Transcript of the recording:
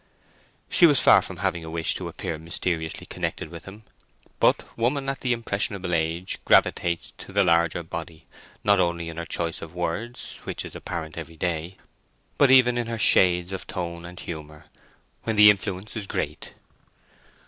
She was far from having a wish to appear mysteriously connected with him; but woman at the impressionable age gravitates to the larger body not only in her choice of words, which is apparent every day, but even in her shades of tone and humour, when the influence is great.